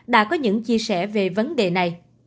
đã có những chia sẻ về vấn đề này